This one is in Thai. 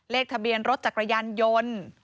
เลขทะเบียนรถจักรยานยนต์